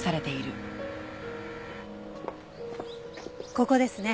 ここですね。